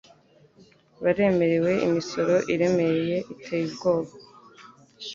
Baremerewe imisoro iremereye iteye ubwoba